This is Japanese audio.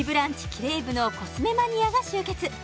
キレイ部のコスメマニアが集結